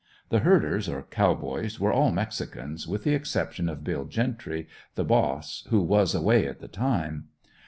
The herders, or cowboys, were all mexicans, with the exception of Bill Gentry, the boss, who was away at the time.